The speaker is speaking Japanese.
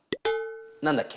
何だっけ？